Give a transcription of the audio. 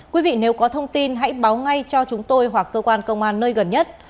quý vị nếu có thông tin hãy báo ngay cho chúng tôi hoặc cơ quan công an nơi gần nhất